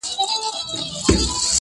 صبر د عقل ښکلا ده.